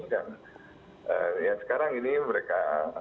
dan ya sekarang ini mereka